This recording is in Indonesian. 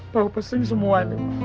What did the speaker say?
bau pesing semua